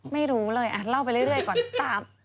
ไม่รู้เลยเล่าไปเรื่อยก่อนตาม